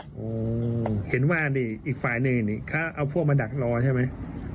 โอ้เห็นว่าอีกฝ่ายหนึ่งเอาพวกมาดักรอใช่ไหม